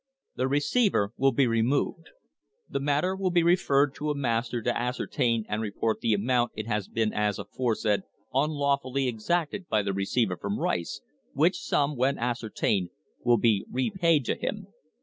The receiver will be removed. The matter will be referred to a master to ascertain and report the amount that has been as aforesaid unlawfully exacted by the receiver from Rice, which sum, when ascertained, will be repaid to him.